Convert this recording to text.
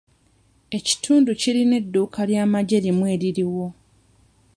Ekitundu kirina edduuka ly'amagye limu eririwo.